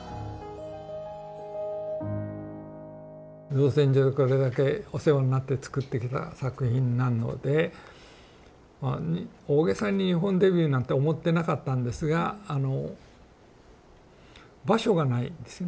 造船所でこれだけお世話になってつくってきた作品なので大げさに日本デビューなんて思ってなかったんですがあの場所がないんですね